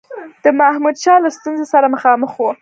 د محمودشاه له ستونزي سره مخامخ وو.